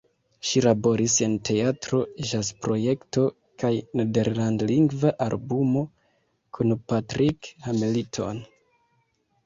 Ŝi laboris en teatro-ĵazoprojekto kaj nederlandlingva albumo kun Patrick Hamilton.